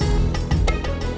ya ada tiga orang